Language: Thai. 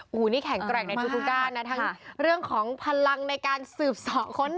โอ้งนี่แข่งแกร่งในทุกขั้นฮะเรื่องของพลังในการสืบเสาะคน